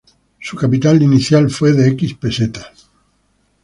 Su capital inicial fue de pesetas.